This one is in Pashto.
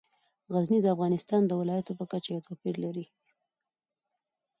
غزني د افغانستان د ولایاتو په کچه یو توپیر لري.